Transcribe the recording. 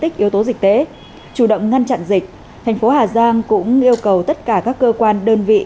chủ động ngăn chặn dịch thành phố hà giang cũng yêu cầu tất cả các cơ quan đơn vị